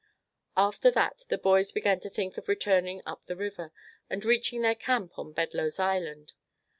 After that the boys began to think of returning up the river, and reaching their camp on Bedloe's Island.